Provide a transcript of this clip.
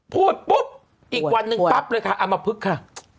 พูดปุ๊บอีกวันหนึ่งปั๊บเลยค่ะเอามาพึกค่ะ